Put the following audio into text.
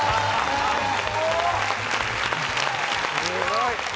すごい！